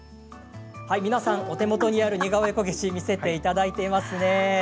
皆さんお手元にある似顔絵こけし見せていただいていますね。